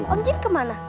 om jin kemana